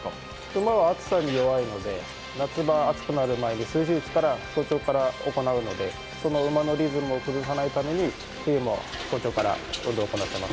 馬は暑さに弱いので、夏場厚くなる前に早朝から行うので、その馬のリズムを崩さないために冬も早朝から調教を行っています。